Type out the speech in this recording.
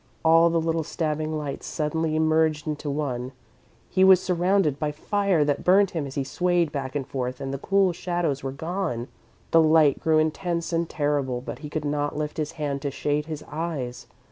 All the little stabbing lights suddenly merged into one. He was surrounded by fire that burned him as he swayed back and forth, and the cool shadows were gone. The light grew intense and terrible, but he could not lift his hand to shade his eyes.